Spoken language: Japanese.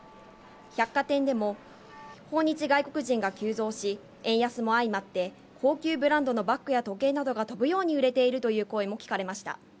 百貨店でも訪日外国人が急増し、円安も相まって、高級ブランドのバッグや時計などが飛ぶように売れているという声も聞かれました。